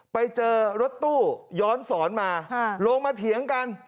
ไปเจอรถตู้ย้อนสอนมาลงมาเถียงกัน